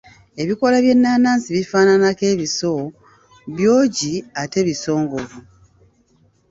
Ebikoola by’ennaanansi bifaananako ebiso, byogi ate bisongovu.